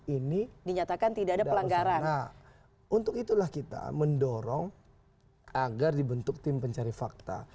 ini dinyatakan tidak ada pelanggaran nah untuk itulah kita mendorong agar dibentuk tim pencari fakta